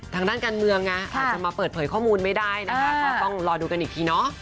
ทางด้านการเมืองไงอาจจะมาเปิดเผยข้อมูลไม่ได้นะคะก็ต้องรอดูกันอีกทีเนาะ